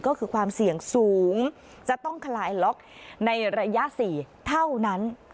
ก็คือความเสี่ยงสูงจะต้องคลายล็อกในระยะ๔เท่านั้น